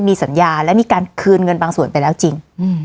มีสัญญาและมีการคืนเงินบางส่วนไปแล้วจริง